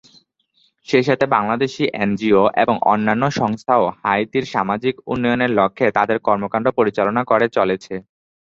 সেইসাথে বাংলাদেশি এনজিও এবং অন্যান্য সংস্থাও হাইতির সামাজিক উন্নয়নের লক্ষ্যে তাদের কর্মকাণ্ড পরিচালনা করে চলেছে।